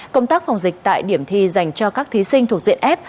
công tác phòng dịch tại điểm thi dành cho các thí sinh thuộc diện f